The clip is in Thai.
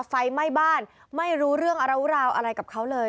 ไฟไหม้บ้านไม่รู้เรื่องอะไรรู้ราวอะไรกับเขาเลย